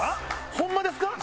ホンマですか？